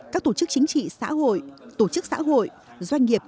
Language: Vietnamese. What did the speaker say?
các tổ chức chính trị xã hội tổ chức xã hội doanh nghiệp